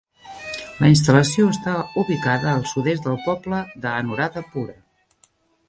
La instal·lació està ubicada al sud-est del poble d'Anuradhapura.